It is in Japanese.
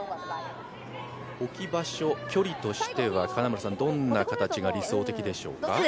置き場所、距離としてはどんな形が理想的でしょうか？